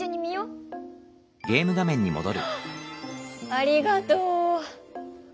ありがとう！